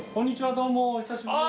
どうもお久しぶりです。